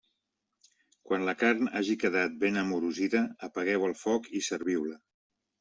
Quan la carn hagi quedat ben amorosida apagueu el foc i serviu-la.